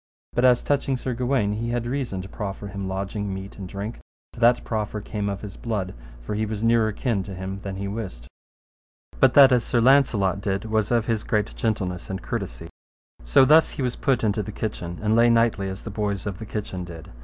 But as touching Sir Gawaine, he had reason to proffer him lodging, meat, and drink, for that proffer came of his blood, for he was nearer kin to him than he wist. But that as Sir Launcelot did was of his great gentleness and courtesy. So thus he was put into the kitchen, and lay nightly as the boys of the kitchen did.